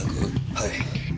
はい。